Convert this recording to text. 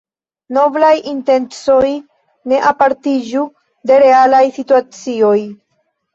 Noblaj intencoj ne apartiĝu de realaj situacioj.